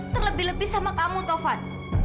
terlebih lebih sama kamu tovan